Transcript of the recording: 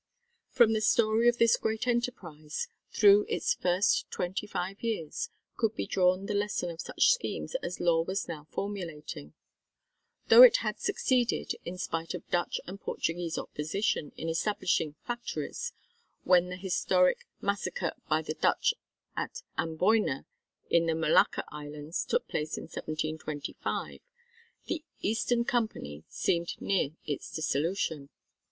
From the story of this great enterprise, through its first twenty five years, could be drawn the lesson of such schemes as Law was now formulating. Though it had succeeded, in spite of Dutch and Portuguese opposition, in establishing "factories" when the historic massacre by the Dutch at Amboyna in the Molucca Islands, took place in 1725, the Eastern Company seemed near its dissolution.